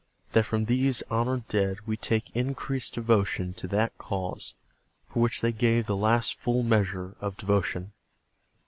. .that from these honored dead we take increased devotion to that cause for which they gave the last full measure of devotion.